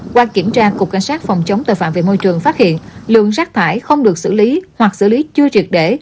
qua kiểm tra cục cảnh sát phòng chống tội phạm về môi trường phát hiện lượng rác thải không được xử lý hoặc xử lý chưa triệt để